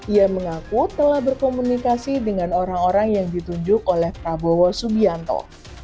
ia mengaku telah berkomunikasi dengan orang orang yang ditunjuk oleh prabowo subianto